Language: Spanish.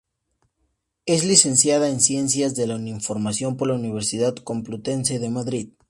Es licenciada en Ciencias de la información por la Universidad Complutense de Madrid.